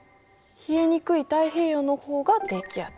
冷えにくい太平洋の方が低気圧。